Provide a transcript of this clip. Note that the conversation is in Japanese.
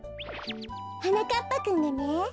はなかっぱくんがね。